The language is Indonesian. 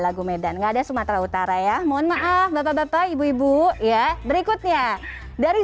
lagu medan enggak ada sumatera utara ya mohon maaf bapak bapak ibu ibu ya berikutnya dari